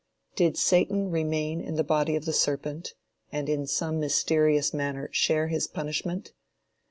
Did Satan remain in the body of the serpent, and in some mysterious manner share his punishment?